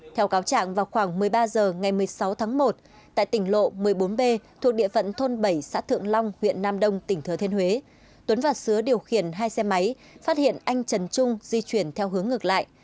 theo cáo trạng vào khoảng một mươi ba h ngày một mươi sáu tháng một tại tỉnh lộ một mươi bốn b thuộc địa phận thôn bảy xã thượng long huyện nam đông tỉnh thừa thiên huế tuấn và sứa điều khiển hai xe máy phát hiện anh trần trung di chuyển theo hướng ngược lại